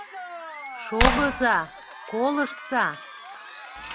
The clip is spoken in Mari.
Шогыза, колыштса!